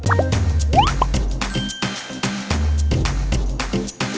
สวัสดีครับ